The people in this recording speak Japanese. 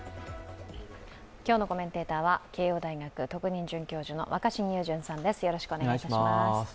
今日のコメンテーターは慶応大学特任准教授の若新雄純さんです。